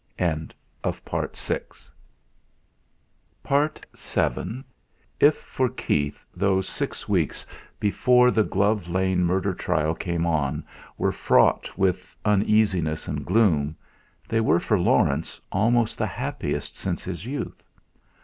VII If for Keith those six weeks before the Glove Lane murder trial came on were fraught with uneasiness and gloom, they were for Laurence almost the happiest since his youth.